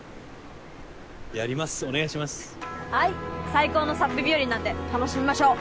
最高のサップ日和なんで楽しみましょう。